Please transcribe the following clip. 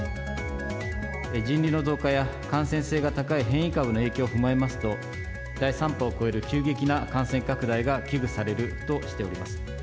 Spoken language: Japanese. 人流の増加や感染性が高い変異株の影響を踏まえますと、第３波を超える急激な感染拡大が危惧されるとしております。